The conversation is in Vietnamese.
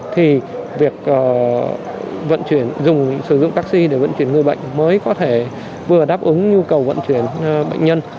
thì việc vận chuyển sử dụng taxi để vận chuyển người bệnh mới có thể vừa đáp ứng nhu cầu vận chuyển bệnh nhân